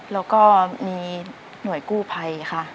แล้วก็มีหน่วยกู้ภัยค่ะ